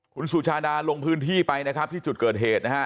คุณสุชาดาลงพื้นที่ไปนะครับที่จุดเกิดเหตุนะฮะ